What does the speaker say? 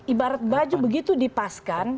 ibarat baju begitu dipaskan